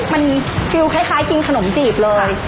มันฟิลคล้ายกินขนมจีบเลย